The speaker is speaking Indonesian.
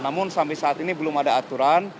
namun sampai saat ini belum ada aturan